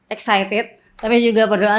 excited tapi juga berdoa